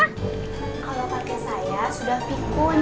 kalo kakek saya sudah pikun